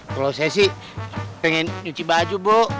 kalau saya sih pengen nyuci baju bu